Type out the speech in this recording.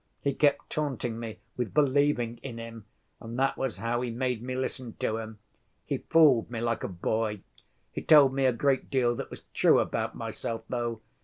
He kept taunting me with believing in him, and that was how he made me listen to him. He fooled me like a boy. He told me a great deal that was true about myself, though.